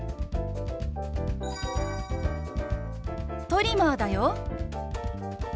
トリマーだよ。